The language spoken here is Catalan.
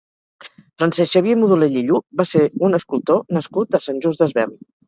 Francesc Xavier Modolell i Lluch va ser un escultor nascut a Sant Just Desvern.